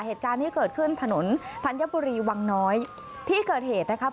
เหตุการณ์ที่เกิดขึ้นถนนธัญบุรีวังน้อยที่เกิดเหตุนะครับ